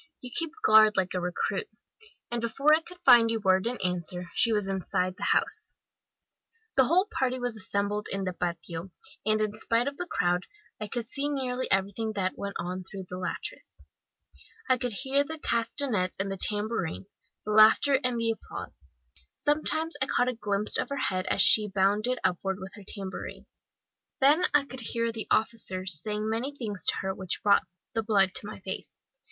You keep guard like a recruit,' and before I could find a word in answer, she was inside the house. * Good day, comrade! "The whole party was assembled in the patio, and in spite of the crowd I could see nearly everything that went on through the lattice.* I could hear the castanets and the tambourine, the laughter and applause. Sometimes I caught a glimpse of her head as she bounded upward with her tambourine. Then I could hear the officers saying many things to her which brought the blood to my face.